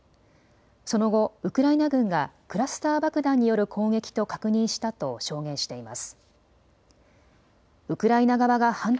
その後、ウクライナ軍がクラスター爆弾による攻撃と確認したと証言しています。